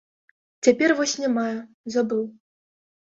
Цяпер вось не маю, забыў.